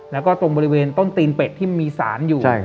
แล้วก็ตรงบริเวณต้นตีนเป็ดที่มีสารอยู่